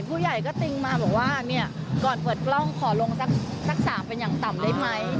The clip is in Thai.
ผู้ใหญ่ก็ติ้งมาบอกว่าเนี่ยก่อนเปิดกล้องขอลงสัก๓เป็นอย่างต่ำได้ไหม